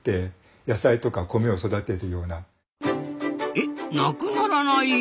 えっなくならない？